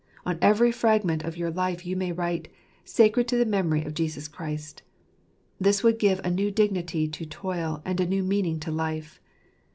On every fragment of your life you may write, " Sacred to the memory of Jesus Christ." This would give a new dignity to toil, and a new meaning to life.